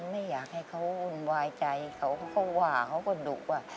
ไม่อยากให้เขาวุ่นวายใจเขาก็ว่าเขาก็ดุว่า